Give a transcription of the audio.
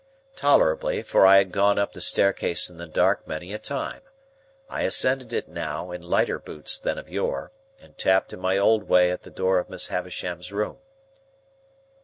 Tolerably, for I had gone up the staircase in the dark, many a time. I ascended it now, in lighter boots than of yore, and tapped in my old way at the door of Miss Havisham's room.